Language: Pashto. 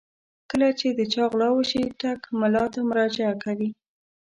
کله چې د چا غلا وشي ټګ ملا ته مراجعه کوي.